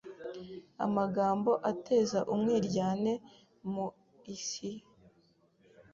amagambo ateza umwiryane mu Isi,